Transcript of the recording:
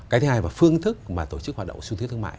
cái thứ hai là phương thức mà tổ chức hoạt động xúc tiến thương mại